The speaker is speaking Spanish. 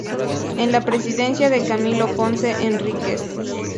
En la Presidencia de Camilo Ponce Enríquez.